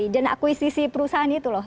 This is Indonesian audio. dan akuisisi perusahaan itu loh